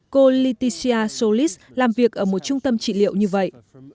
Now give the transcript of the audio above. cô leticia solis làm việc ở một trung tâm trị liệu như vậy